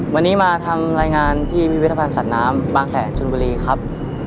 ตอนนี้มาทำรายงานไปกับพิวิทยาภารสรรค์น้ำบางแขกครับ